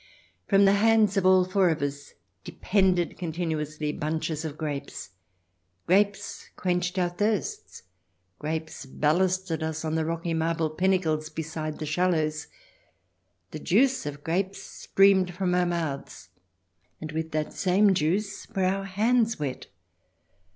From the hands of all four of us depended continuously bunches of grapes ; grapes quenched our thirsts ; grapes ballasted us on the rocky marble pinnacles beside the shallows ; the juice of grapes streamed from our mouths, and with that same juice were our hands wet.